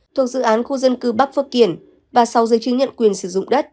thuộc dự án khu dân cư bắc phước kiển và sáu giấy chứng nhận quyền sử dụng đất